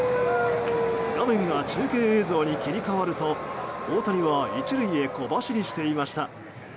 画面が中継映像に切り替わると大谷は１塁へ小走りしていました。